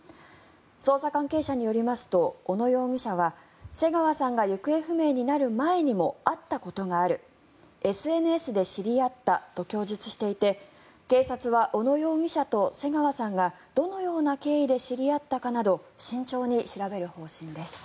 捜査関係者によりますと小野容疑者は瀬川さんが行方不明になる前にも会ったことがあるＳＮＳで知り合ったと供述していて警察は小野容疑者と瀬川さんがどのような経緯で知り合ったかなど慎重に調べる方針です。